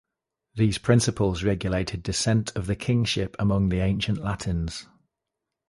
These principles regulated descent of the kingship among the ancient Latins.